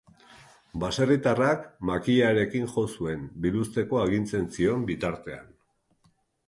Baserritarrak makilarekin jo zuen, biluzteko agintzen zion bitartean.